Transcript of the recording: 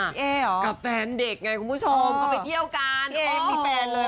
เอ๊เหรอกับแฟนเด็กไงคุณผู้ชมเขาไปเที่ยวกันเองมีแฟนเลย